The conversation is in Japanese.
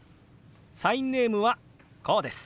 サインネームはこうです。